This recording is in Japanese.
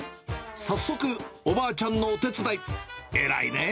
早速、おばあちゃんのお手伝い。